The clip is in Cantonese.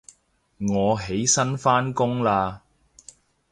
我起身返工喇